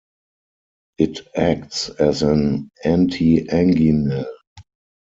It acts as an antianginal.